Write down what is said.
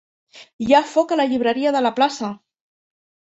Hi ha foc a la llibreria de la plaça!